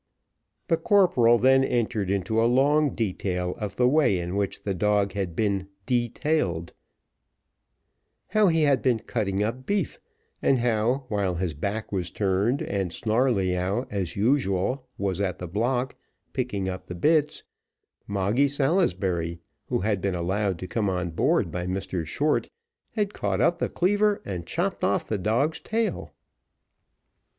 The corporal then entered into a long detail of the way in which the dog had been _de_tailed how he had been cutting up beef and how while his back was turned, and Snarleyyow, as usual, was at the block, picking up the bits, Moggy Salisbury, who had been allowed to come on board by Mr Short, had caught up the cleaver and chopped off the dog's tail.